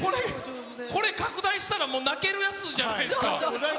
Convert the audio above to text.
これ、拡大したらもう泣けるやつじゃないですか。